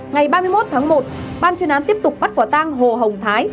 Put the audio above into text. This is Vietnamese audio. ngày ba mươi một tháng một ban chuyên án tiếp tục bắt quả tang hồ hồng thái